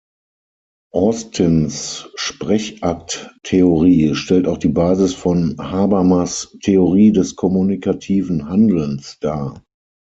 Austins Sprechakttheorie stellt auch die Basis von Habermas' „Theorie des Kommunikativen Handelns“ dar.